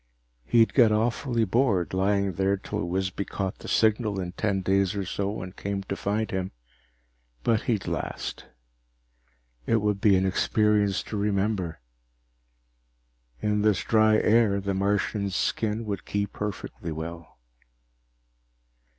He'd get awfully bored, lying here till Wisby caught the signal in ten days or so and came to find him, but he'd last. It would be an experience to remember. In this dry air, the Martian's skin would keep perfectly well.